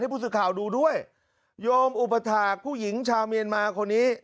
ผู้สื่อข่าวดูด้วยโยมอุปถาคผู้หญิงชาวเมียนมาคนนี้